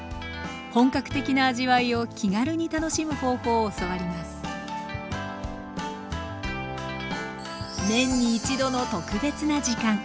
本格的な味わいを気軽に楽しむ方法を教わります年に一度の特別な時間。